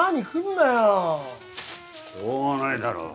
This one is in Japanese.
しようがないだろ。